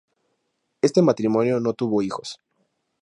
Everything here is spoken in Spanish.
Este matrimonio no tuvo hijos